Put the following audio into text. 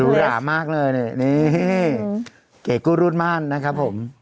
หรามากเลยนี่เก๋กู้รุ่นม่านนะครับผม